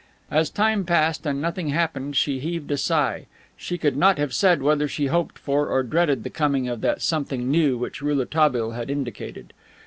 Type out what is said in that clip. As time passed and nothing happened she heaved a sigh. She could not have said whether she hoped for or dreaded the coming of that something new which Rouletabille had indicated.